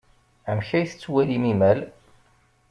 Amek ay tettwalim imal?